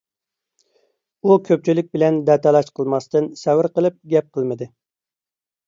ئۇ كۆپچىلىك بىلەن دەتالاش قىلماستىن سەۋر قىلىپ گەپ قىلمىدى.